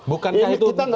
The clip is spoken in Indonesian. bukankah itu bentuk